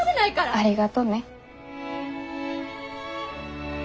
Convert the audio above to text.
ありがとね。